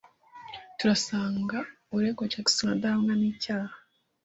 Turasanga uregwa, Jackson, adahamwa n'icyaha.